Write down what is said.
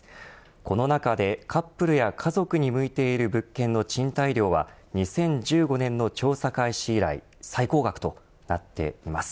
この中でカップルや家族に向いている物件の賃貸料は２０１５年の調査開始以来最高額となっています。